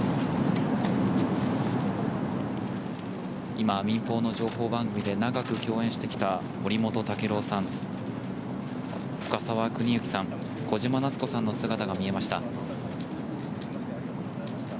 今、民放の情報番組で長く共演してきた森本毅郎さん深沢邦之さん小島奈津子さんの姿が見えました。